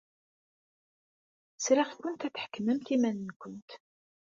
Sriɣ-kent ad tḥekmemt iman-nwent.